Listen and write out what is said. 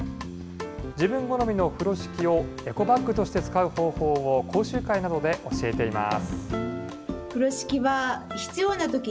自分好みの風呂敷を、エコバッグとして使う方法を講習会などで教えています。